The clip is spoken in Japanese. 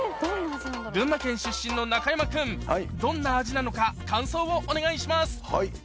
群馬県出身の中山君どんな味なのか感想をお願いしますはい。